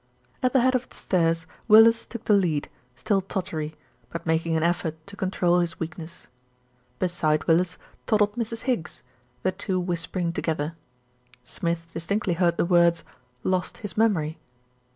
At the head of the stairs, Willis took the lead, still tottery; but making an effort to control his weakness. Beside Willis toddled Mrs. Higgs, the two whisper ing together. Smith distinctly heard the words "lost his memory."